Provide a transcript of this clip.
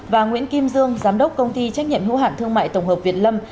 và nguyễn kim dương giám đốc công ty trách nhiệm hữu hạn thương mại tổng hợp việt lâm